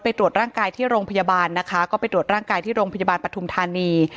ตรวจร่างกายที่โรงพยาบาลนะคะก็ไปตรวจร่างกายที่โรงพยาบาลปฐุมธานี